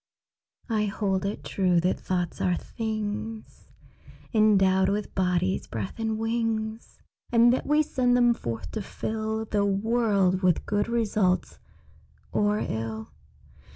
I hold it true that thoughts are things Endowed with bodies, breath, and wings, And that we send them forth to fill The world with good results or ill.